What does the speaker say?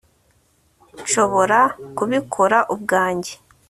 Nshobora kubikora ubwanjye